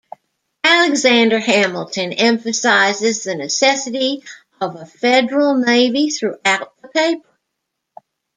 Alexander Hamilton emphasizes the necessity of a federal navy throughout the paper.